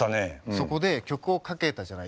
そこで曲をかけたじゃない？